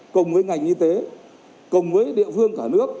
cùng với ngành y tế cùng với địa phương cả nước